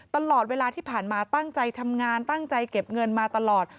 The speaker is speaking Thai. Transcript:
ตลอดเวลาที่ผ่านมาตั้งใจทำงานตั้งใจเก็บเงินมาตลอด